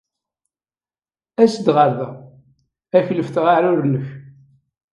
As-d ɣer da. Ad ak-letfeɣ aɛrur-nnek.